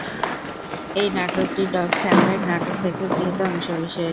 এই নাটকটি "ডগ’স হ্যামলেট" নাটক থেকে গৃহীত অংশবিশেষ।